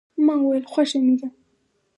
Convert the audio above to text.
ما وویل، خوښه مې ده.